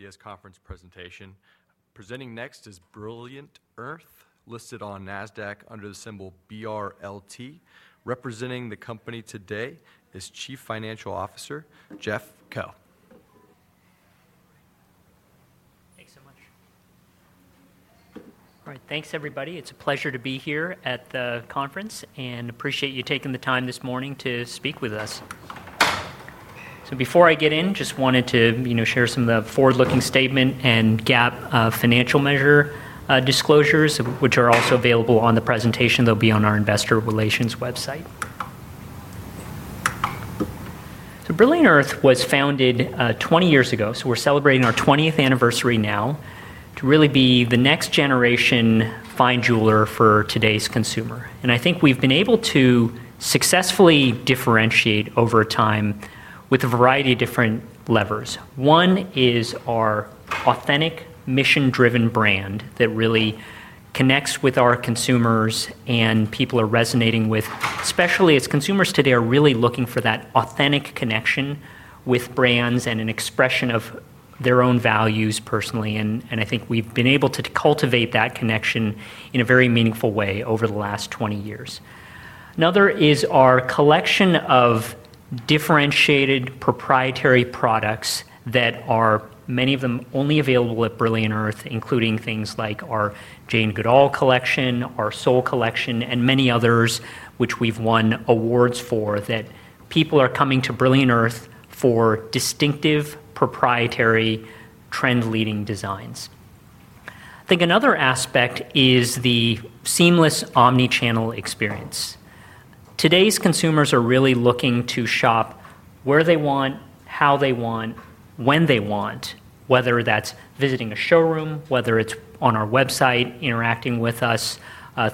Ideas Conference presentation. Presenting next is Brilliant Earth Group, Inc., listed on NASDAQ under the symbol BRLT. Representing the company today is Chief Financial Officer, Jeff Kuo. Thanks so much. All right, thanks everybody. It's a pleasure to be here at the conference and appreciate you taking the time this morning to speak with us. Before I get in, I just wanted to share some of the forward-looking statement and GAAP financial measure disclosures, which are also available on the presentation. They'll be on our investor relations website. Brilliant Earth Group, Inc. was founded 20 years ago, so we're celebrating our 20th anniversary now to really be the next generation fine jeweler for today's consumer. I think we've been able to successfully differentiate over time with a variety of different levers. One is our authentic, mission-driven brand that really connects with our consumers and people are resonating with, especially as consumers today are really looking for that authentic connection with brands and an expression of their own values personally. I think we've been able to cultivate that connection in a very meaningful way over the last 20 years. Another is our collection of differentiated proprietary products that are, many of them, only available at Brilliant Earth Group, Inc., including things like our Jane Goodall Collection, our Sol` Collection, and many others, which we've won awards for that people are coming to Brilliant Earth Group, Inc. for distinctive, proprietary, trend-leading designs. I think another aspect is the seamless omnichannel experience. Today's consumers are really looking to shop where they want, how they want, when they want, whether that's visiting a showroom, whether it's on our website, interacting with us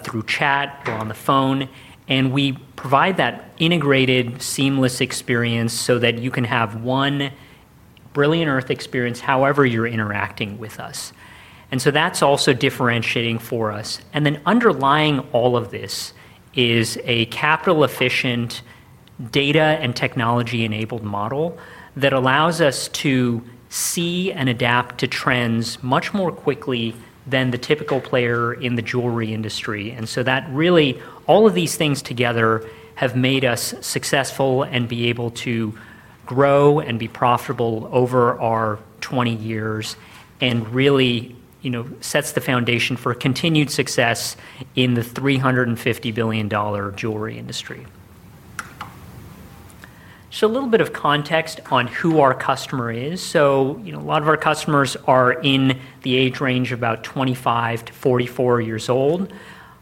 through chat, or on the phone. We provide that integrated, seamless experience so that you can have one Brilliant Earth Group, Inc. experience however you're interacting with us. That's also differentiating for us. Underlying all of this is a capital-efficient, data and technology-enabled model that allows us to see and adapt to trends much more quickly than the typical player in the jewelry industry. All of these things together have made us successful and able to grow and be profitable over our 20 years and really set the foundation for continued success in the $350 billion jewelry industry. Just a little bit of context on who our customer is. A lot of our customers are in the age range of about 25-44 years old,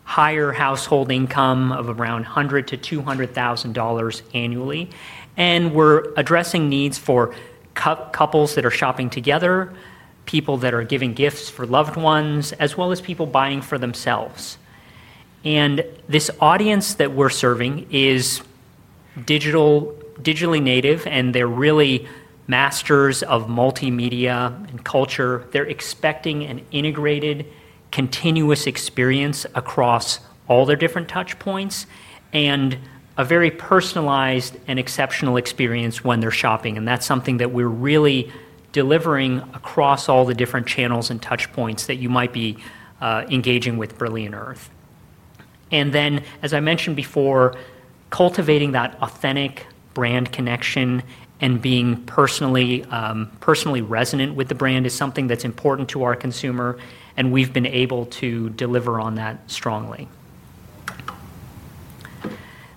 higher household income of around $100,000-$200,000 annually. We're addressing needs for couples that are shopping together, people that are giving gifts for loved ones, as well as people buying for themselves. This audience that we're serving is digitally native, and they're really masters of multimedia and culture. They're expecting an integrated, continuous experience across all their different touchpoints and a very personalized and exceptional experience when they're shopping. That's something that we're really delivering across all the different channels and touchpoints that you might be engaging with Brilliant Earth. As I mentioned before, cultivating that authentic brand connection and being personally resonant with the brand is something that's important to our consumer, and we've been able to deliver on that strongly.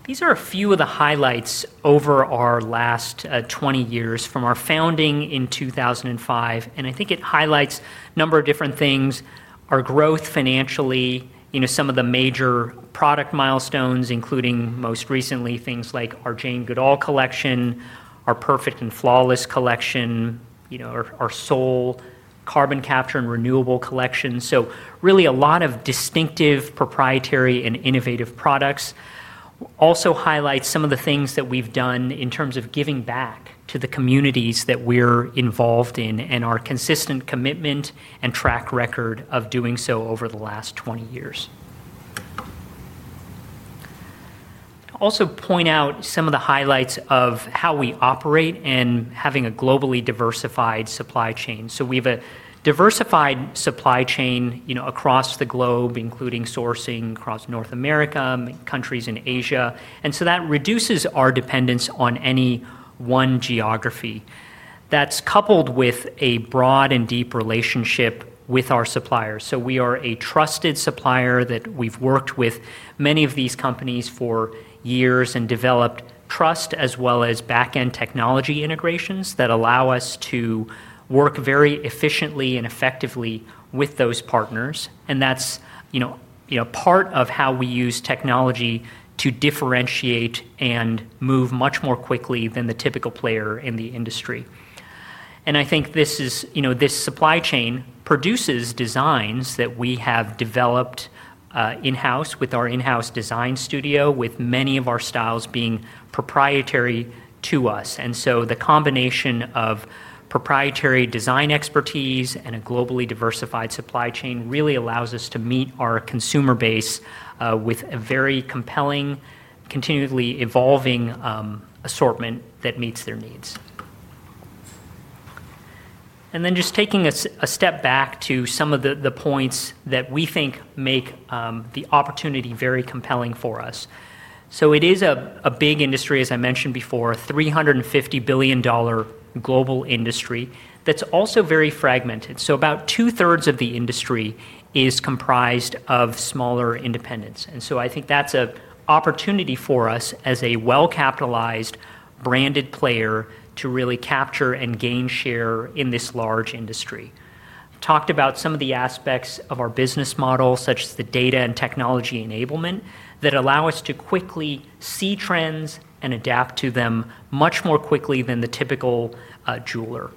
These are a few of the highlights over our last 20 years, from our founding in 2005. I think it highlights a number of different things: our growth financially, some of the major product milestones, including most recently things like our Jane Goodall Collection, our Perfect and Flawless collection, our Sol collection. Really, a lot of distinctive, proprietary, and innovative products. It also highlights some of the things that we've done in terms of giving back to the communities that we're involved in and our consistent commitment and track record of doing so over the last 20 years. I also point out some of the highlights of how we operate and having a globally diversified supply chain. We have a diversified supply chain across the globe, including sourcing across North America, countries in Asia. That reduces our dependence on any one geography. That's coupled with a broad and deep relationship with our suppliers. We are a trusted supplier that we've worked with many of these companies for years and developed trust, as well as backend technology integrations that allow us to work very efficiently and effectively with those partners. That's part of how we use technology to differentiate and move much more quickly than the typical player in the industry. I think this supply chain produces designs that we have developed in-house with our in-house design studio, with many of our styles being proprietary to us. The combination of proprietary design expertise and a globally diversified supply chain really allows us to meet our consumer base with a very compelling, continually evolving assortment that meets their needs. Taking a step back to some of the points that we think make the opportunity very compelling for us, it is a big industry, as I mentioned before, a $350 billion global industry that's also very fragmented. About two-thirds of the industry is comprised of smaller independents. I think that's an opportunity for us as a well-capitalized, branded player to really capture and gain share in this large industry. I've talked about some of the aspects of our business model, such as the data and technology enablement that allow us to quickly see trends and adapt to them much more quickly than the typical jeweler.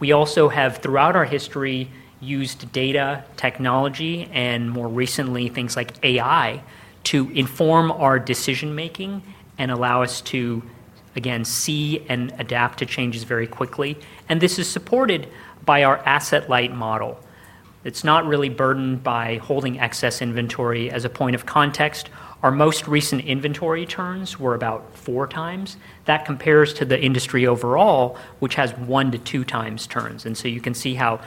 We also have, throughout our history, used data, technology, and more recently, things like AI to inform our decision-making and allow us to, again, see and adapt to changes very quickly. This is supported by our asset light model. It's not really burdened by holding excess inventory. As a point of context, our most recent inventory turns were about four times. That compares to the industry overall, which has one to 2x turns. You can see how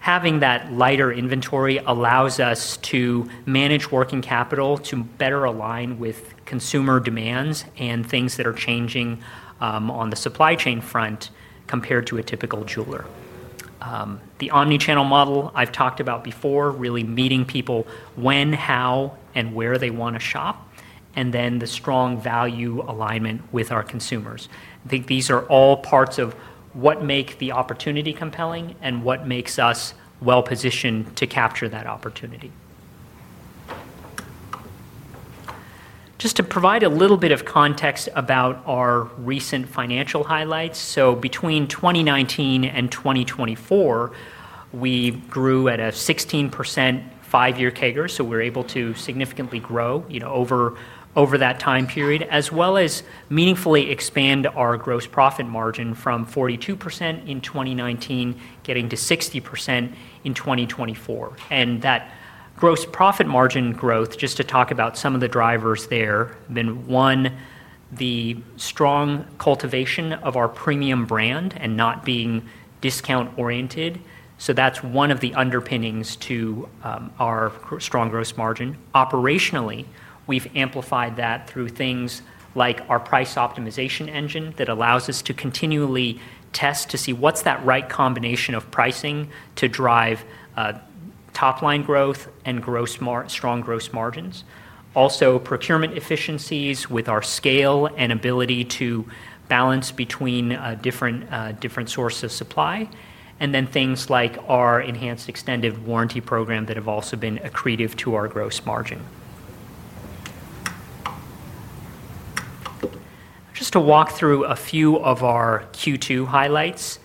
having that lighter inventory allows us to manage working capital to better align with consumer demands and things that are changing on the supply chain front compared to a typical jeweler. The omnichannel model I've talked about before, really meeting people when, how, and where they want to shop, and then the strong value alignment with our consumers. I think these are all parts of what makes the opportunity compelling and what makes us well-positioned to capture that opportunity. Just to provide a little bit of context about our recent financial highlights, between 2019 and 2024, we grew at a 16% five-year CAGR, so we're able to significantly grow over that time period, as well as meaningfully expand our gross profit margin from 42% in 2019, getting to 60% in 2024. That gross profit margin growth, just to talk about some of the drivers there, has been one, the strong cultivation of our premium brand and not being discount-oriented. That's one of the underpinnings to our strong gross margin. Operationally, we've amplified that through things like our price optimization engine that allows us to continually test to see what's that right combination of pricing to drive top-line growth and strong gross margins. Also, procurement efficiencies with our scale and ability to balance between different sources of supply. Then things like our enhanced extended warranty program that have also been accretive to our gross margin. Just to walk through a few of our Q2 highlights,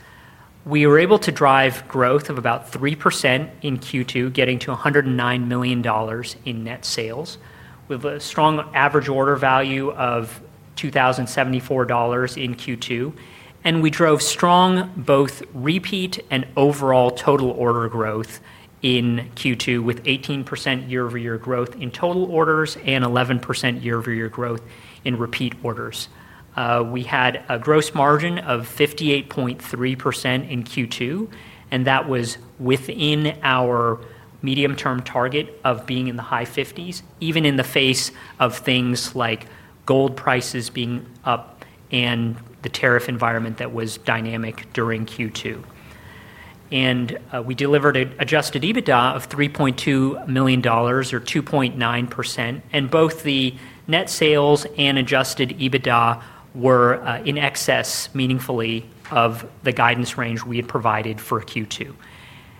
we were able to drive growth of about 3% in Q2, getting to $109 million in net sales, with a strong average order value of $2,074 in Q2. We drove strong both repeat and overall total order growth in Q2, with 18% year-over-year growth in total orders and 11% year-over-year growth in repeat orders. We had a gross margin of 58.3% in Q2, and that was within our medium-term target of being in the high 50s, even in the face of things like gold prices being up and the tariff environment that was dynamic during Q2. We delivered an adjusted EBITDA of $3.2 million or 2.9%. Both the net sales and adjusted EBITDA were in excess meaningfully of the guidance range we had provided for Q2.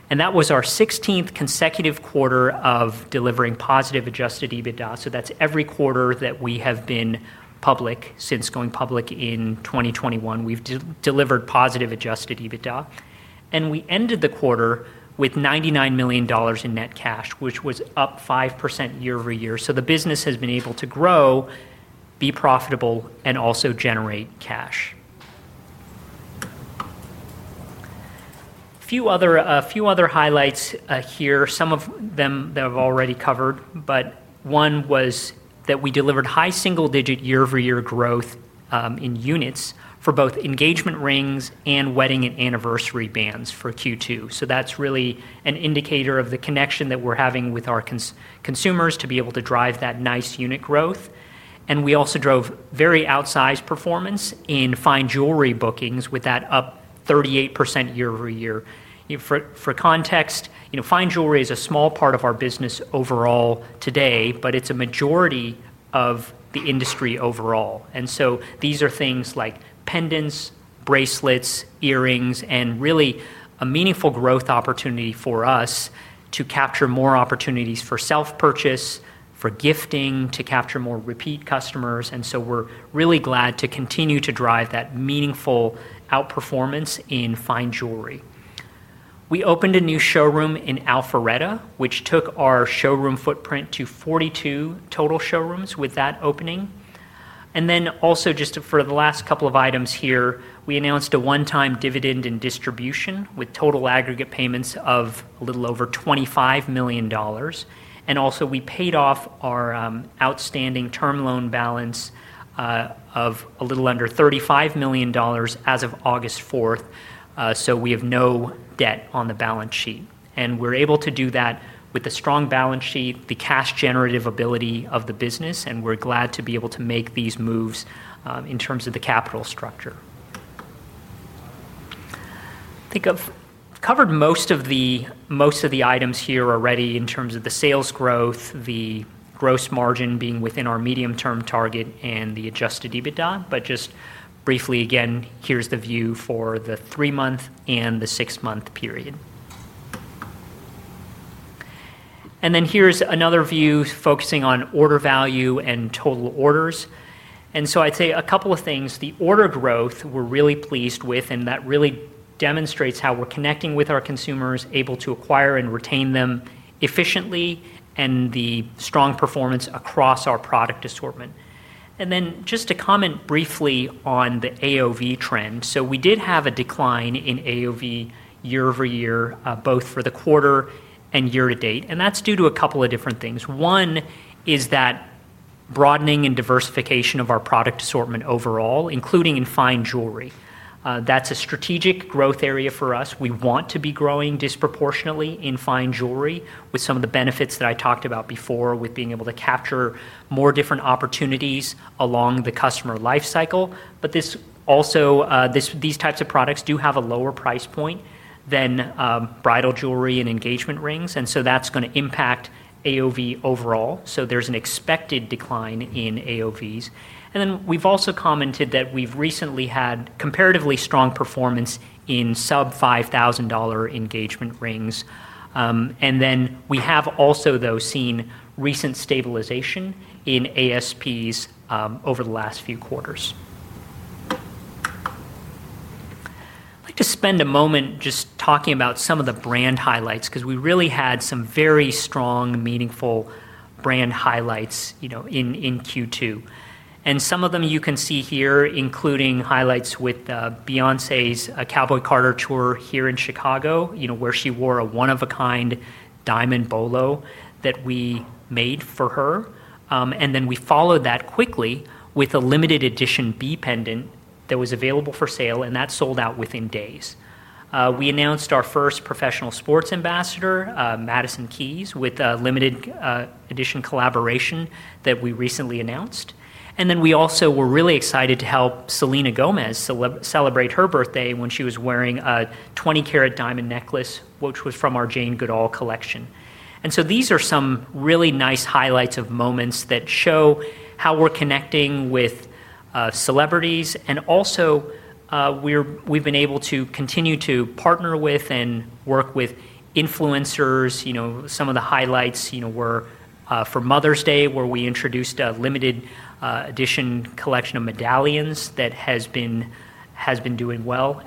That was our 16th consecutive quarter of delivering positive adjusted EBITDA. That's every quarter that we have been public since going public in 2021, we've delivered positive adjusted EBITDA. We ended the quarter with $99 million in net cash, which was up 5% year-over-year. The business has been able to grow, be profitable, and also generate cash. A few other highlights here, some of them that I've already covered, but one was that we delivered high single-digit year-over-year growth in units for both engagement rings and wedding and anniversary bands for Q2. That's really an indicator of the connection that we're having with our consumers to be able to drive that nice unit growth. We also drove very outsized performance in fine jewelry bookings with that up 38% year-over-year. For context, you know, fine jewelry is a small part of our business overall today, but it's a majority of the industry overall. These are things like pendants, bracelets, earrings, and really a meaningful growth opportunity for us to capture more opportunities for self-purchase, for gifting, to capture more repeat customers. We're really glad to continue to drive that meaningful outperformance in fine jewelry. We opened a new showroom in Alpharetta, which took our showroom footprint to 42 total showrooms with that opening. Also, just for the last couple of items here, we announced a one-time dividend and distribution with total aggregate payments of a little over $25 million. We paid off our outstanding term loan balance of a little under $35 million as of August 4th. We have no debt on the balance sheet. We were able to do that with a strong balance sheet, the cash-generative ability of the business, and we're glad to be able to make these moves in terms of the capital structure. I think I've covered most of the items here already in terms of the sales growth, the gross margin being within our medium-term target, and the adjusted EBITDA. Just briefly again, here's the view for the three-month and the six-month period. Here's another view focusing on order value and total orders. I'd say a couple of things. The order growth we're really pleased with, and that really demonstrates how we're connecting with our consumers, able to acquire and retain them efficiently, and the strong performance across our product assortment. Just to comment briefly on the AOV trend, we did have a decline in AOV year-over-year, both for the quarter and year to date. That's due to a couple of different things. One is that broadening and diversification of our product assortment overall, including in fine jewelry. That's a strategic growth area for us. We want to be growing disproportionately in fine jewelry with some of the benefits that I talked about before with being able to capture more different opportunities along the customer lifecycle. These types of products do have a lower price point than bridal jewelry and engagement rings, and that's going to impact AOV overall. There's an expected decline in AOVs. We've also commented that we've recently had comparatively strong performance in sub-$5,000 engagement rings. We have also, though, seen recent stabilization in ASPs over the last few quarters. I'd like to spend a moment just talking about some of the brand highlights because we really had some very strong, meaningful brand highlights in Q2. Some of them you can see here, including highlights with Beyoncé's Cowboy Carter tour here in Chicago, where she wore a one-of-a-kind diamond bolo that we made for her. We followed that quickly with a limited edition B pendant that was available for sale, and that sold out within days. We announced our first professional sports ambassador, Madison Keys, with a limited edition collaboration that we recently announced. We also were really excited to help Selena Gomez celebrate her birthday when she was wearing a 20-carat diamond necklace, which was from our Jane Goodall Collection. These are some really nice highlights of moments that show how we're connecting with celebrities. We've been able to continue to partner with and work with influencers. Some of the highlights were for Mother's Day, where we introduced a limited edition collection of medallions that has been doing well.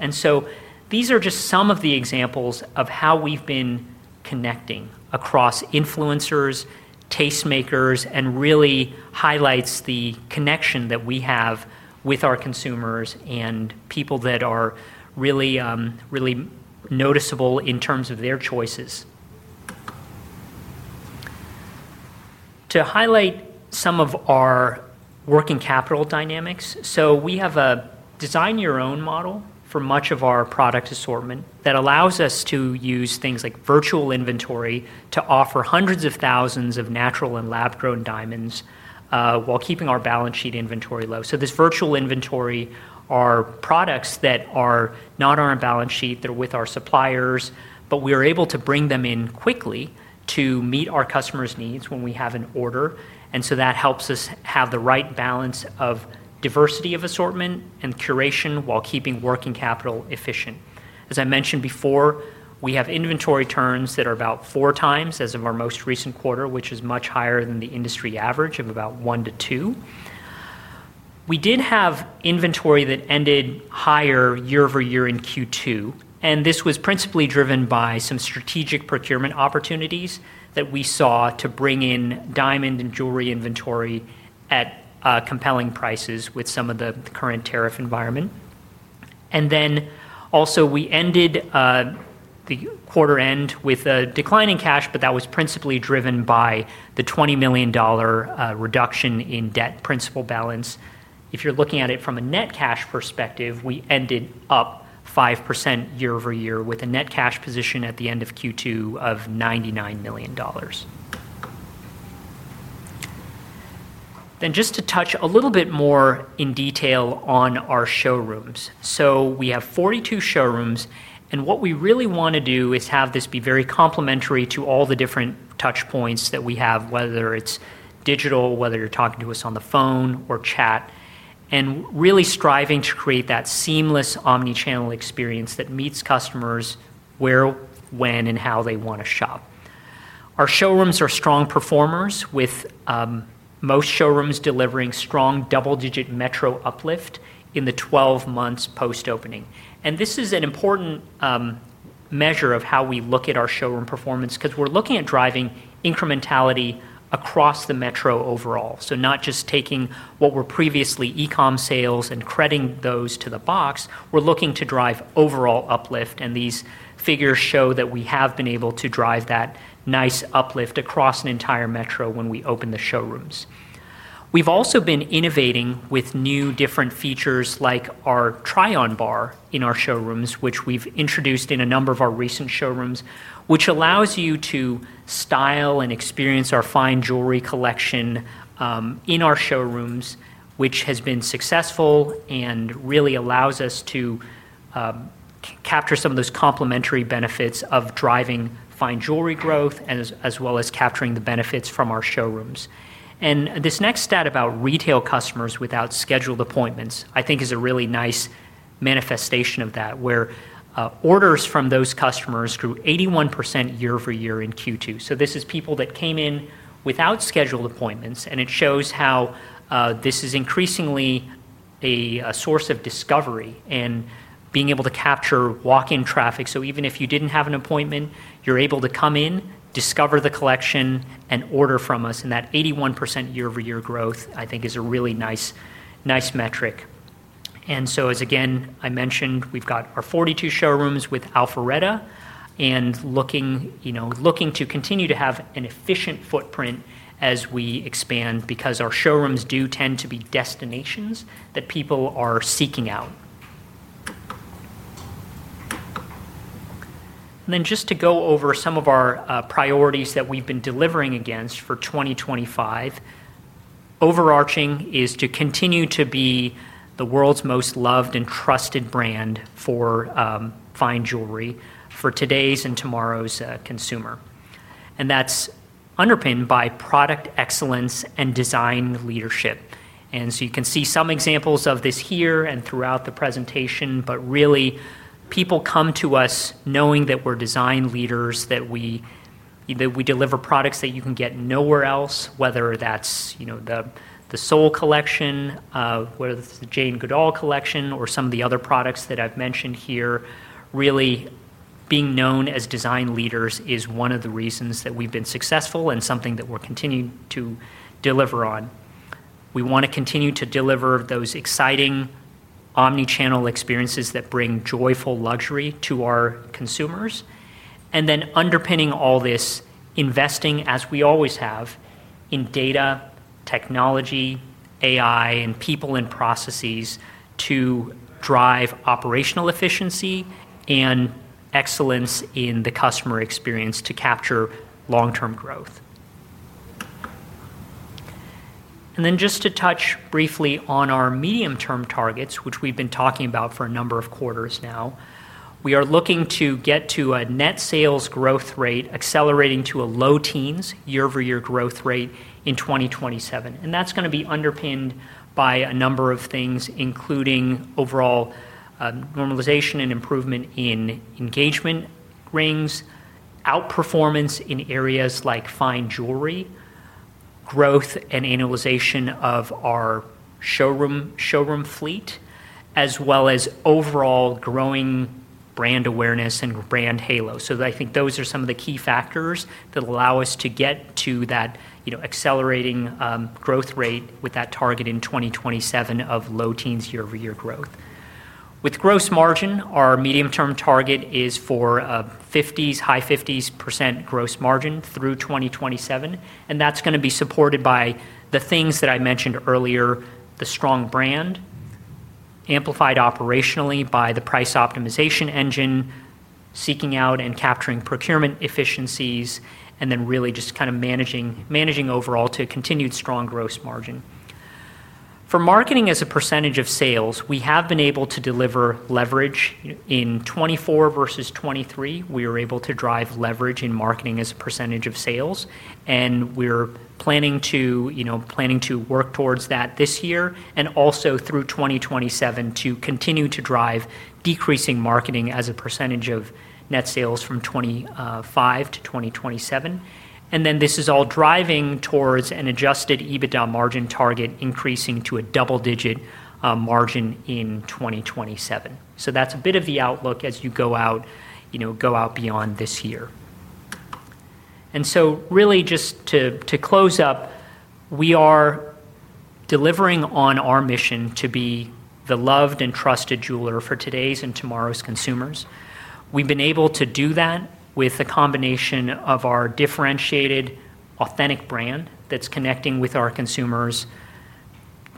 These are just some of the examples of how we've been connecting across influencers, tastemakers, and really highlights the connection that we have with our consumers and people that are really, really noticeable in terms of their choices. To highlight some of our working capital dynamics, we have a design-your-own model for much of our product assortment that allows us to use things like virtual inventory to offer hundreds of thousands of natural and lab-grown diamonds while keeping our balance sheet inventory low. This virtual inventory is products that are not on our balance sheet, that are with our suppliers, but we are able to bring them in quickly to meet our customers' needs when we have an order. That helps us have the right balance of diversity of assortment and curation while keeping working capital efficient. As I mentioned before, we have inventory turns that are about four times as of our most recent quarter, which is much higher than the industry average of about one to two. We did have inventory that ended higher year-over-year in Q2. This was principally driven by some strategic procurement opportunities that we saw to bring in diamond and jewelry inventory at compelling prices with some of the current tariff environment. We ended the quarter with a decline in cash, but that was principally driven by the $20 million reduction in debt principal balance. If you're looking at it from a net cash perspective, we ended up 5% year-over-Fyear with a net cash position at the end of Q2 of $99 million. Just to touch a little bit more in detail on our showrooms. We have 42 showrooms, and what we really want to do is have this be very complementary to all the different touchpoints that we have, whether it's digital, whether you're talking to us on the phone or chat, and really striving to create that seamless omnichannel experience that meets customers where, when, and how they want to shop. Our showrooms are strong performers, with most showrooms delivering strong double-digit metro uplift in the 12 months post-opening. This is an important measure of how we look at our showroom performance because we're looking at driving incrementality across the metro overall. Not just taking what were previously e-comm sales and crediting those to the box, we're looking to drive overall uplift. These figures show that we have been able to drive that nice uplift across an entire metro when we open the showrooms. We've also been innovating with new different features like our try-on bar in our showrooms, which we've introduced in a number of our recent showrooms, which allows you to style and experience our fine jewelry collection in our showrooms, which has been successful and really allows us to capture some of those complementary benefits of driving fine jewelry growth, as well as capturing the benefits from our showrooms. This next stat about retail customers without scheduled appointments, I think, is a really nice manifestation of that, where orders from those customers grew 81% year-over-year in Q2. This is people that came in without scheduled appointments, and it shows how this is increasingly a source of discovery and being able to capture walk-in traffic. Even if you didn't have an appointment, you're able to come in, discover the collection, and order from us. That 81% year-over-year growth, I think, is a really nice metric. As again I mentioned, we've got our 42 showrooms with Alpharetta and looking to continue to have an efficient footprint as we expand because our showrooms do tend to be destinations that people are seeking out. Just to go over some of our priorities that we've been delivering against for 2025, overarching is to continue to be the world's most loved and trusted brand for fine jewelry for today's and tomorrow's consumer. That's underpinned by product excellence and design leadership. You can see some examples of this here and throughout the presentation, but really, people come to us knowing that we're design leaders, that we deliver products that you can get nowhere else, whether that's, you know, the Sol collection, whether it's the Jane Goodall Collection, or some of the other products that I've mentioned here. Really, being known as design leaders is one of the reasons that we've been successful and something that we're continuing to deliver on. We want to continue to deliver those exciting omnichannel experiences that bring joyful luxury to our consumers. Underpinning all this, investing, as we always have, in data, technology, AI, and people and processes to drive operational efficiency and excellence in the customer experience to capture long-term growth. Just to touch briefly on our medium-term targets, which we've been talking about for a number of quarters now, we are looking to get to a net sales growth rate accelerating to a low teens year-over-year growth rate in 2027. That's going to be underpinned by a number of things, including overall normalization and improvement in engagement rings, outperformance in areas like fine jewelry, growth and analyzation of our showroom fleet, as well as overall growing brand awareness and brand halo. I think those are some of the key factors that allow us to get to that, you know, accelerating growth rate with that target in 2027 of low teens year-over-year growth. With gross margin, our medium-term target is for a high 50s % gross margin through 2027. That's going to be supported by the things that I mentioned earlier: the strong brand, amplified operationally by the price optimization engine, seeking out and capturing procurement efficiencies, and then really just kind of managing overall to a continued strong gross margin. For marketing as a percentage of sales, we have been able to deliver leverage. In 2024 versus 2023, we were able to drive leverage in marketing as a percentage of sales. We're planning to work towards that this year and also through 2027 to continue to drive decreasing marketing as a percentage of net sales from 2025-2027. This is all driving towards an adjusted EBITDA margin target increasing to a double-digit margin in 2027. That's a bit of the outlook as you go out, you know, go out beyond this year. Really just to close up, we are delivering on our mission to be the loved and trusted jeweler for today's and tomorrow's consumers. We've been able to do that with a combination of our differentiated authentic brand that's connecting with our consumers,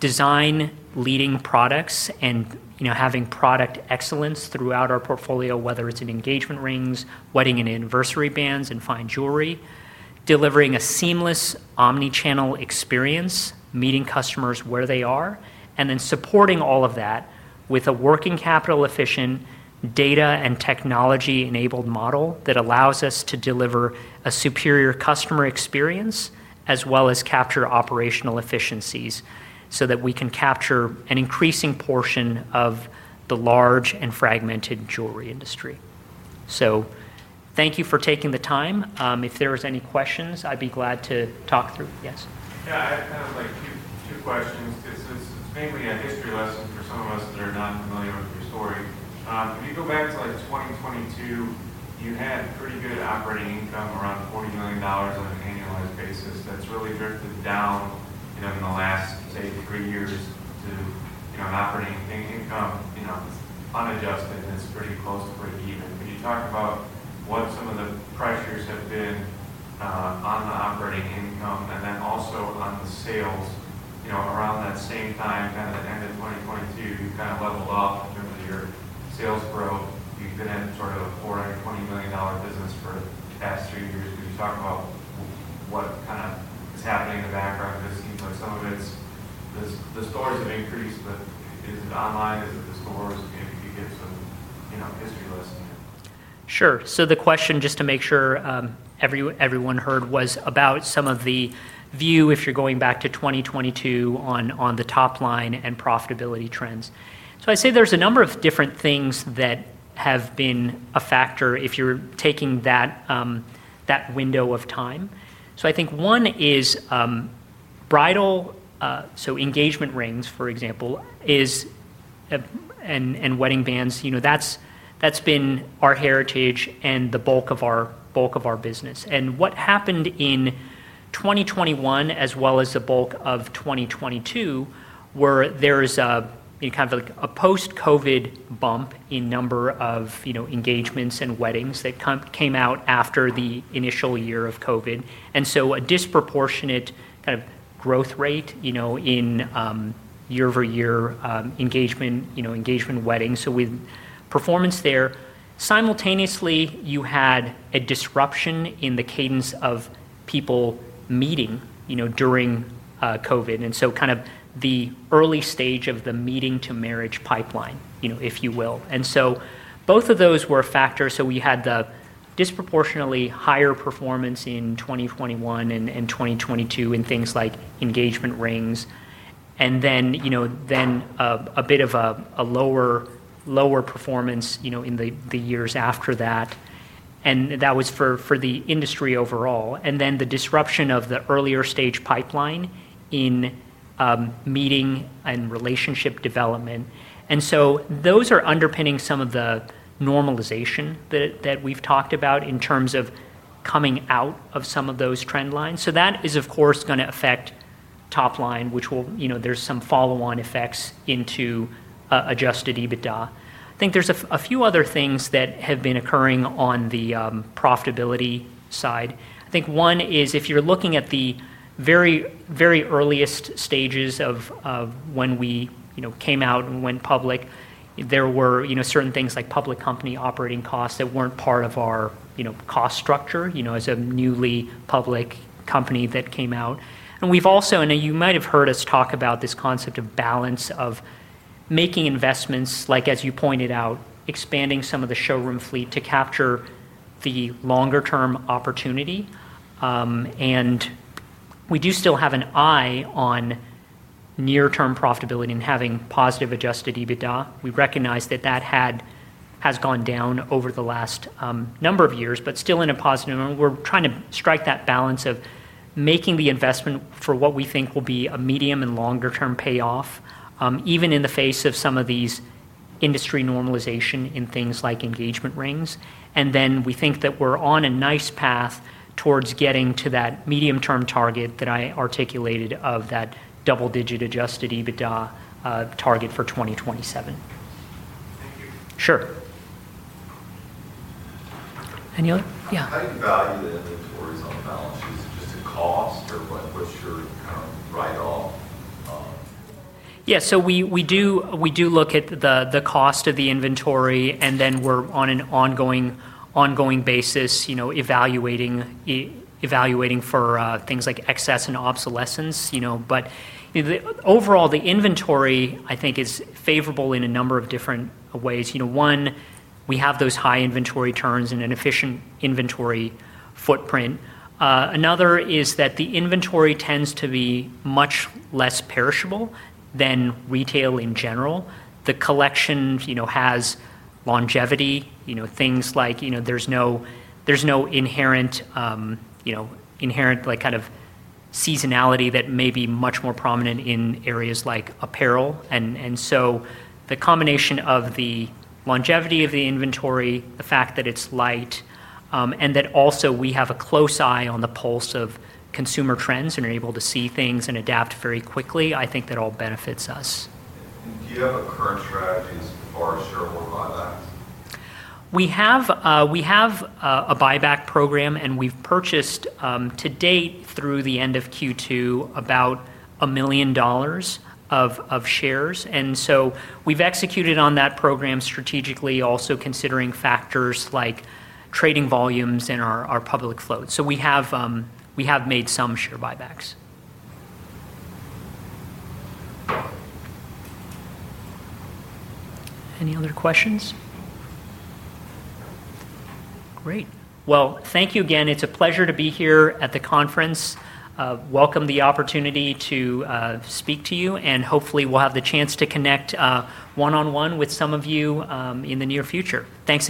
design-leading products, and having product excellence throughout our portfolio, whether it's in engagement rings, wedding and anniversary bands, and fine jewelry, delivering a seamless omnichannel experience, meeting customers where they are, and then supporting all of that with a working capital-efficient, data and technology-enabled model that allows us to deliver a superior customer experience, as well as capture operational efficiencies so that we can capture an increasing portion of the large and fragmented jewelry industry. Thank you for taking the time. If there are any questions, I'd be glad to talk through. Yes? A few questions. This is mainly a history lesson for some of us that are not familiar with your story. If you go back to like 2022, you had pretty good operating income around $40 million on an annual basis that's really drifted down in the last, say, three years to an operating income that's unadjusted. That's pretty close to pretty even. Can you talk about what some of the pressures have been on the operating income and then also on the sales around that same time, kind of at the end of 2022, you kind of level up in terms of your sales growth. You've been in a total of $420 million business for the past three years. Can you talk about what kind of is happening in the background of this? Some of it's the stores have increased, but is it online? Is it the stores? Again, you get some, you know, history lessons. Sure. The question, just to make sure everyone heard, was about some of the view if you're going back to 2022 on the top line and profitability trends. I'd say there's a number of different things that have been a factor if you're taking that window of time. I think one is bridal, so engagement rings, for example, and wedding bands. That's been our heritage and the bulk of our business. What happened in 2021, as well as the bulk of 2022, was there was kind of like a post-COVID bump in number of engagements and weddings that came out after the initial year of COVID. There was a disproportionate kind of growth rate in year-over-year engagement, weddings. With performance there, simultaneously, you had a disruption in the cadence of people meeting during COVID, kind of the early stage of the meeting-to-marriage pipeline, if you will. Both of those were a factor. We had the disproportionately higher performance in 2021 and 2022 in things like engagement rings, then a bit of a lower performance in the years after that. That was for the industry overall, and then the disruption of the earlier stage pipeline in meeting and relationship development. Those are underpinning some of the normalization that we've talked about in terms of coming out of some of those trend lines. That is, of course, going to affect top line, which will have some follow-on effects into adjusted EBITDA. I think there's a few other things that have been occurring on the profitability side. One is if you're looking at the very, very earliest stages of when we came out and went public, there were certain things like public company operating costs that weren't part of our cost structure as a newly public company that came out. You might have heard us talk about this concept of balance of making investments, like as you pointed out, expanding some of the showroom fleet to capture the longer-term opportunity. We do still have an eye on near-term profitability and having positive adjusted EBITDA. We recognize that that has gone down over the last number of years, but still in a positive moment. We're trying to strike that balance of making the investment for what we think will be a medium and longer-term payoff, even in the face of some of these industry normalization in things like engagement rings. We think that we're on a nice path towards getting to that medium-term target that I articulated of that double-digit adjusted EBITDA target for 2027. Do you value the inventories on balance sheets just at cost, or what's your write-off? Yeah, we do look at the cost of the inventory, and we're on an ongoing basis evaluating for things like excess and obsolescence. Overall, the inventory, I think, is favorable in a number of different ways. One, we have those high inventory turns and an efficient inventory footprint. Another is that the inventory tends to be much less perishable than retail in general. The collection has longevity, things like there's no inherent kind of seasonality that may be much more prominent in areas like apparel. The combination of the longevity of the inventory, the fact that it's light, and that also we have a close eye on the pulse of consumer trends and are able to see things and adapt very quickly, I think that all benefits us. Do you have a current strategy for shareholder contracts? We have a buyback program, and we've purchased to date through the end of Q2 about $1 million of shares. We've executed on that program strategically, also considering factors like trading volumes and our public float. We have made some share buybacks. Any other questions? Great. Thank you again. It's a pleasure to be here at the conference. I welcome the opportunity to speak to you, and hopefully we'll have the chance to connect one-on-one with some of you in the near future. Thanks.